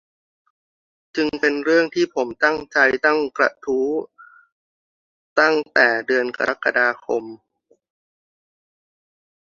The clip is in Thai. จึงเป็นเรื่องที่ผมตั้งใจตั้งกระทู้ตั้งแต่เดือนกรกฎาคม